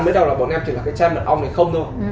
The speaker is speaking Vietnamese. mới đâu là bọn em chỉ là cái chai mật ong này không thôi